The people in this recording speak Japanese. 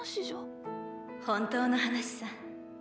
本当の話さ。